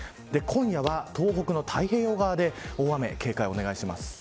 今夜は、東北の太平洋側で大雨に警戒をお願いします。